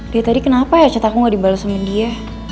dia tadi kenapa ya cetaku nggak dibalas sama dia